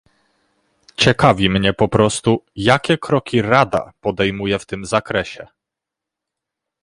Ciekawi mnie po prostu, jakie kroki Rada podejmuje w tym zakresie